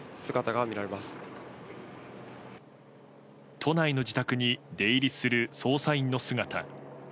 都内の自宅に出入りする捜査員の姿。